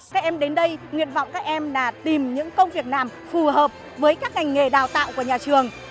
các em đến đây nguyện vọng các em là tìm những công việc làm phù hợp với các ngành nghề đào tạo của nhà trường